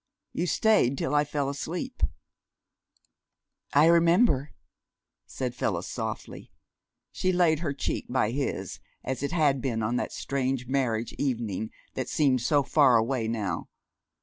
You stayed till I fell asleep." "I remember," said Phyllis softly. She laid her cheek by his, as it had been on that strange marriage evening that seemed so far away now.